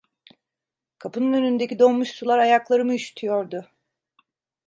Kapının önündeki donmuş sular ayaklarımı üşütüyordu.